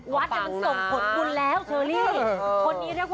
วัดอ่างพรบุ้นแล้วว่าย๑๗๐๐